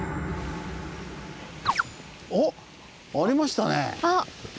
おっ！ありましたね。